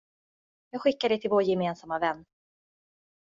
Jag skickar det till vår gemensamma vän.